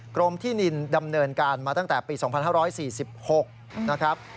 กรมที่ดินดำเนินการมาตั้งแต่ปี๒๕๔๖นะครับ